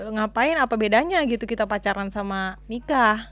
ngapain apa bedanya gitu kita pacaran sama nikah